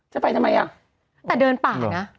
จะไปทำไมอ่ะแต่เดินป่านะ